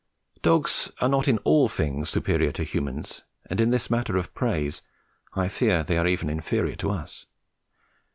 Dogs are not in all things superior to humans, and in this matter of praise I fear they are even inferior to us.